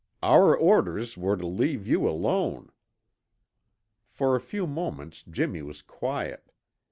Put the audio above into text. Our orders were to leave you alone." For a few moments Jimmy was quiet.